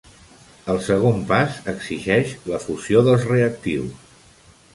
El segon pas exigeix la fusió dels reactius.